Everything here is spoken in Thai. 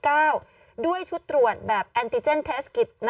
กล้องกว้างอย่างเดียว